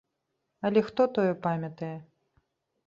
Але хто тое памятае!